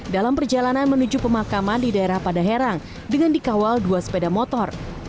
dalam perjalanan menuju pemakaman di daerah padaherang dengan dikawal dua sepeda motor